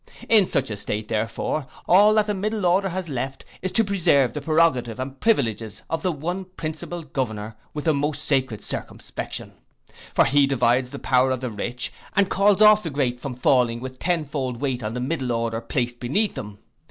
In such a state, therefore, all that the middle order has left, is to preserve the prerogative and privileges of the one principal governor with the most sacred circumspection. For he divides the power of the rich, and calls off the great from falling with tenfold weight on the middle order placed beneath them.